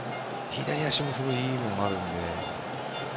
左足もすごいいいものがあるので。